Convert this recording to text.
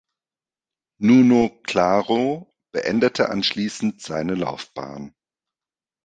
Nuno Claro beendete anschließend seine Laufbahn.